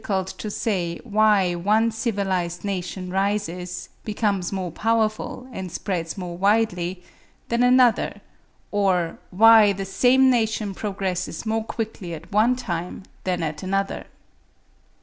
It is very difficult to say why one civilised nation rises, becomes more powerful, and spreads more widely, than another; or why the same nation progresses more quickly at one time than at another.